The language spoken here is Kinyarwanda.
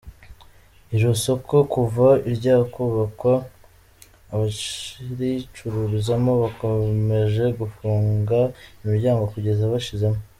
Iro soko kuva ryakubakwa abaricururizamo bakomeje gufunga imiryango kugeza bashizemo.